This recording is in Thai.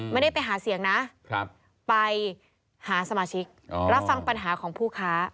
ไม่ได้ไปหาเสียงนะไปหาสมาชิกรับฟังปัญหาของผู้ค้า